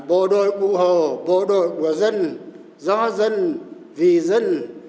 bộ đội bụ hồ bộ đội của dân do dân vì dân